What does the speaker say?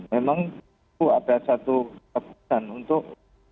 memang itu ada satu keputusan untuk